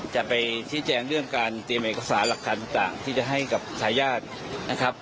จะไปชี้แจงเรื่องการเตรียมเอกสารหลักฐานต่างที่จะให้กับทายาทนะครับ